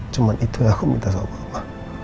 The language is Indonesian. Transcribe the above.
cuma itu yang aku minta sama bapak